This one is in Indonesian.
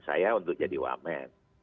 saya untuk jadi wamen